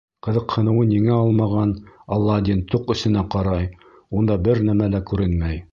Ҡыҙыҡһыныуын еңә алмаған Аладдин тоҡ эсенә ҡарай, унда бер нәмә лә күрмәй.